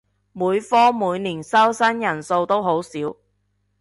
每科每年收生人數都好少